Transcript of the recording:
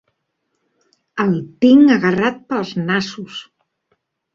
El tinc agarrat pels nassos!